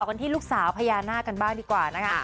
เรากดกันที่ลูกสาวพยานากันบ้างดีกว่านะฮะ